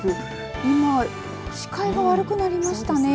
今、視界が悪くなりましたね。